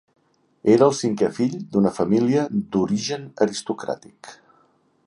Era el cinquè fill d'una família d'origen aristocràtic.